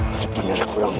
itu bener kurang atuh